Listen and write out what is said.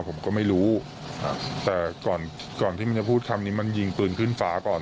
ผมก็ไม่รู้แต่ก่อนก่อนที่มันจะพูดคำนี้มันยิงปืนขึ้นฟ้าก่อน